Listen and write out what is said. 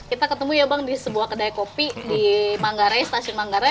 kita ketemu ya bang di sebuah kedai kopi di manggare stasiun manggare